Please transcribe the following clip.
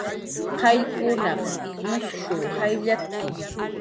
Qayllkunaq musnush jayllatki